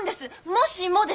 もしもです！